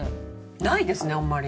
ないですねあんまり。